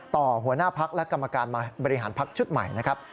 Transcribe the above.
หัวหน้าพักและกรรมการมาบริหารพักชุดใหม่นะครับ